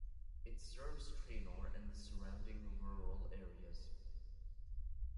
It serves Treynor and the surrounding rural areas.